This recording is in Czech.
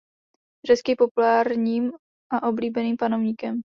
Řecký populárním a oblíbeným panovníkem.